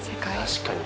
確かに。